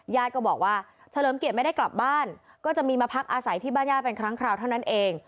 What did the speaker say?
ญาติก็บอกว่าเฉลิมเกียรติไม่ได้กลับบ้านก็จะมีมาพักอาศัยที่บ้านญาติเป็นครั้งคราวเท่านั้นเอง